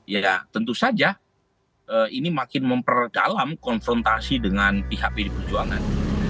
ya tentu saja ini makin memperdalam konfrontasi dengan pihak pd perjuangan